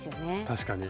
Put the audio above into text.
確かに。